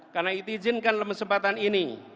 karena itu izinkanlah kesempatan ini